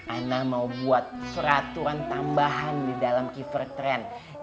anak mau buat peraturan tambahan di dalam kievertrend